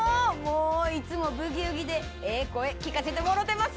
いつも「ブギウギ」でええ声聞かせてもろてます。